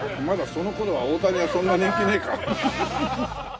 まだその頃は大谷はそんな人気ねえか。